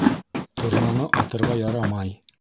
Торнаны атырға ярамай.